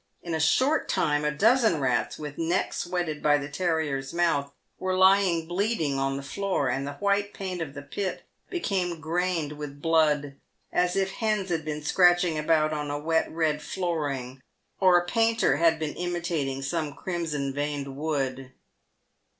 In a short time a dozen rats, [with necks wetted by the terrier's mouth, were lying bleeding on the floor, and the white paint of the pit became grained with blood, as if hens had been scratching about on a wet red flooring, or a painter had been imitating some crimson veined wood.